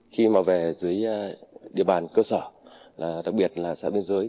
khi mà về dưới địa bàn cơ sở đặc biệt là xã biên giới